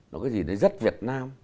nó cái gì đấy rất việt nam